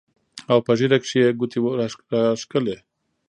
او پۀ ږيره کښې يې ګوتې راښکلې